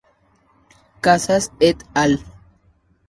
Casas et al.